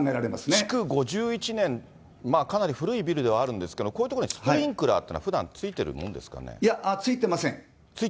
築５１年、かなり古いビルではあるんですけれども、こういう所にスプリンクラーというのは、ふだん付いてるもんですいや、付いてません。